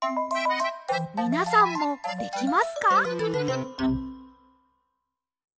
みなさんもできますか？